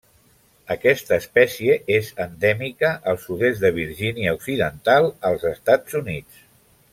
Aquesta espècie és endèmica al sud-est de Virgínia Occidental als Estats Units.